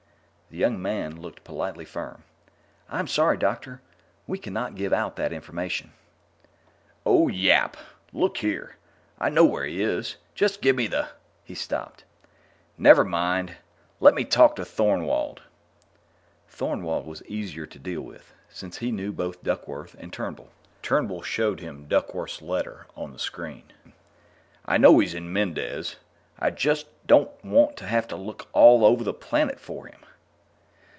The young man looked politely firm. "I'm sorry, doctor; we can not give out that information." "Oh, yap! Look here; I know where he is; just give me " He stopped. "Never mind. Let me talk to Thornwald." Thornwald was easier to deal with, since he knew both Duckworth and Turnbull. Turnbull showed him Duckworth's letter on the screen. "I know he's on Mendez; I just don't want to have to look all over the planet for him."